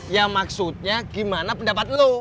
ya maksudnya gimana pendapat lo